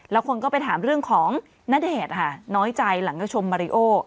แล้วคนก็ไปถามเรื่องของณเดชน์ค่ะน้อยใจหลังก็ชมมาริโอ